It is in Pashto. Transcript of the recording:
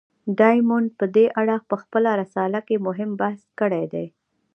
ډایمونډ په دې اړه په خپله رساله کې مهم بحث کړی دی.